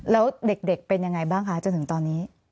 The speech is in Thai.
แล้วเด็กเป็นยังไงบ้างคะจนถึงตอนนี้